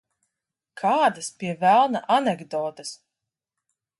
Kādas, pie velna, anekdotes?